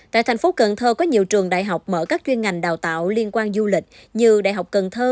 tại thành phố cần thơ có nhiều trường đại học mở các chuyên ngành đào tạo liên quan du lịch như đại học cần thơ